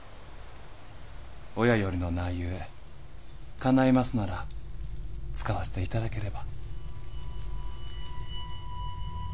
親よりの名ゆえかないますなら使わせて頂ければ。